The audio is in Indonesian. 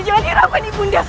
jangan nyerahkan ibunda